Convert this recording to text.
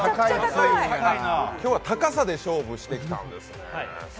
今日は高さで勝負してきたんですね。